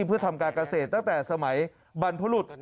เพื่อทำการเกษตรตั้งแต่สมัยบรรพรุษ